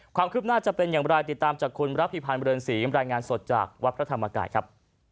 ความคืบหน้าจะเป็นอย่างไรติดตามจากคุณรับพิพันธ์เรือนศรีรายงานสดจากวัดพระธรรมกายครับ